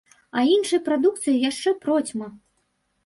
А іншай прадукцыі яшчэ процьма.